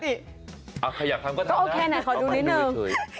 ก็โอเคหน่ะขอดูหนื้อนิดนึง